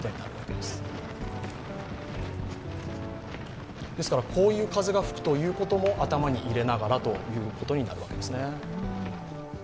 ですからこういう風が吹くということも頭に入れながらということになるわけですね。